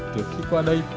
trước khi qua đây